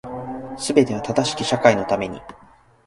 全ては正しき社会のために